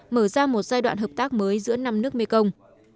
mở ra một giai đoạn hợp tác mới giữa năm nước mekong